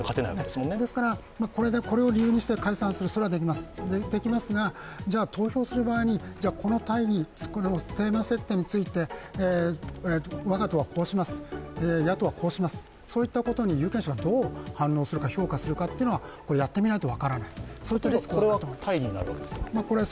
ですから、これを理由にして解散にするというのはできますが投票する場合にテーマ設定について我が党はこうします、野党はこうします、そういったことに有権者がどう反応するか評価するかっていうのはやってみないと分からない、そういったリスクはあると思います。